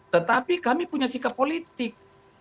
tetapi kami punya sikap politik